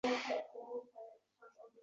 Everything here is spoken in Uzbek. Uyg‘onib ketaman, beun faryoddan.